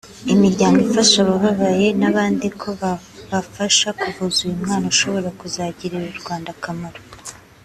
imiryango ifasha abababaye n’abandi ko babafasha kuvuza uyu mwana ushobora kuzagirira u Rwanda akamaro